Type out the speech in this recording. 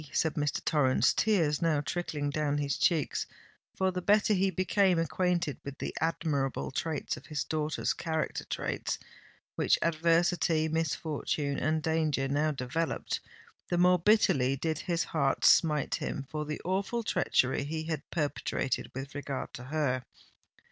said Mr. Torrens, tears now trickling down his cheeks—for the better he became acquainted with the admirable traits of his daughter's character—traits which adversity, misfortune, and danger now developed—the more bitterly did his heart smite him for the awful treachery he had perpetrated with regard to her.